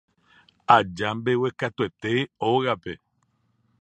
aja mbeguekatuete ógape